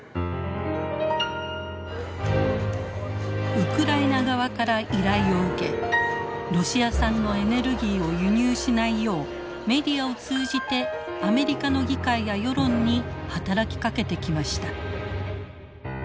ウクライナ側から依頼を受けロシア産のエネルギーを輸入しないようメディアを通じてアメリカの議会や世論に働きかけてきました。